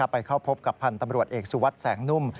ไปเข้าพบกับพันธ์ตำรวจเอกสุวัสดิ์แสงนุ่ม